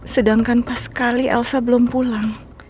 sedangkan pas sekali elsa belum pulang